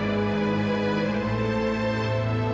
aku enggak mau lepaskan tangan kamu uy